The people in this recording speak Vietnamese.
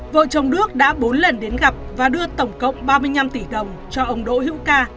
vợ chồng đức đã bốn lần đến gặp và đưa tổng cộng ba mươi năm tỷ đồng cho ông đỗ hữu ca